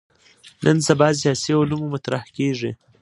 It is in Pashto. نن سبا سیاسي علومو مطرح کېږي.